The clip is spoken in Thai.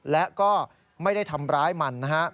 และก็ไม่ได้ทำร้ายมันนะฮะ